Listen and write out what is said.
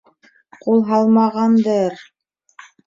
Ҡул һалмағанды-ыр.